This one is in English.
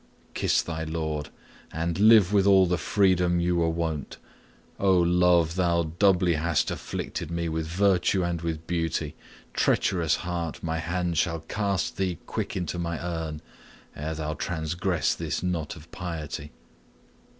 Kiss thy lord, And live with all the freedom you were wont. O love! thou doubly hast afflicted me With virtue and with beauty. Treacherous heart, My hand shall cast thee quick into my urn, Ere thou transgress this knot of piety.